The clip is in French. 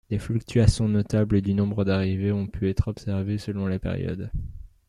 Des fluctuations notables du nombre d'arrivées ont pu être observées selon les périodes.